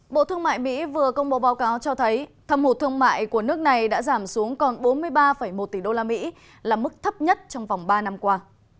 bộ thương mại mỹ vừa công bố báo cáo cho thấy thâm hụt thương mại của nước này đã giảm xuống còn bốn mươi ba một tỷ usd là mức thấp nhất trong vòng ba năm qua